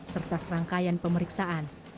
serta serangkaian pemeriksaan